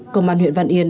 công an huyện văn yên